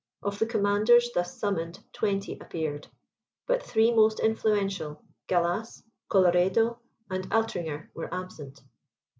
Of the commanders thus summoned, twenty appeared; but three most influential, Gallas, Colloredo, and Altringer, were absent.